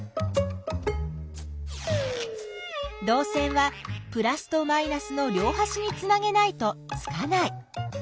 どう線はプラスとマイナスの両はしにつなげないとつかない。